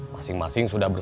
masing masing sudah berdua